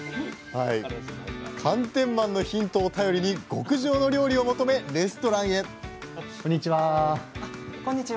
寒天マンのヒントを頼りに極上の料理を求めレストランへこんにちは。